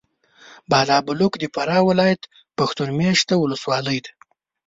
بالابلوک د فراه ولایت پښتون مېشته ولسوالي ده.